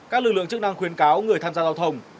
các lực lượng chức năng khuyến cáo người tham gia giao thông